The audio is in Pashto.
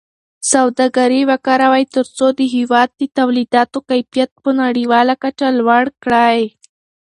سوداګري وکاروئ ترڅو د هېواد د تولیداتو کیفیت په نړیواله کچه لوړ کړئ.